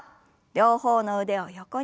両方の腕を横に。